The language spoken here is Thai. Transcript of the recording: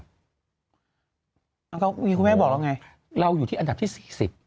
อันนี้คุณแม่บอกแล้วไงเราอยู่ที่อันดับที่๔๐